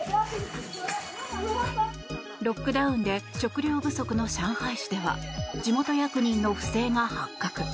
ロックダウンで食料不足の上海市では地元役人の不正が発覚。